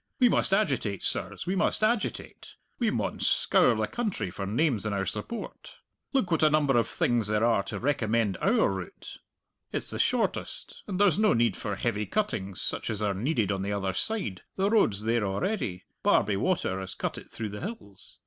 We must agitate, sirs, we must agitate; we maun scour the country for names in our support. Look what a number of things there are to recommend our route. It's the shortest, and there's no need for heavy cuttings such as are needed on the other side; the road's there a'ready Barbie Water has cut it through the hills.